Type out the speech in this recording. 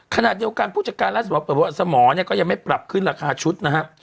ขนาดเดียวกันผู้จัดการรัฐสมองก็ยังไม่ปรับขึ้นราคาชุดนะฮะ